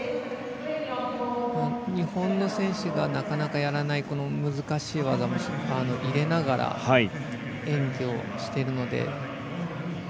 日本の選手がなかなかやらないこの難しい技も入れながら、演技をしているので。